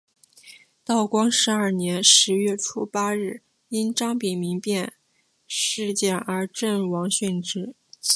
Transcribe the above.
道光十二年十月初八日因张丙民变事件而阵亡殉职。